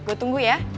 gue tunggu ya